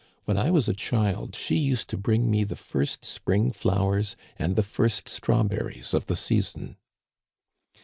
"When I was a child she used to bring me the first spring flowers and the first strawberries of the season."